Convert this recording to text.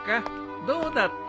どうだった？